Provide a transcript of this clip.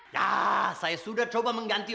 nah saya sudah coba mengganti